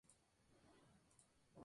La cola es larga y gruesa.